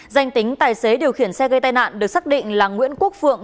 danh tính tài xế điều khiển xe gây tai nạn được xác định là nguyễn quốc phượng